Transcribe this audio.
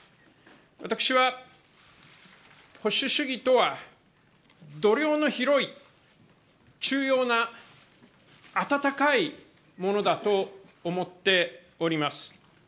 私は保守主義とは度量の広い中庸な温かいものだと思っております。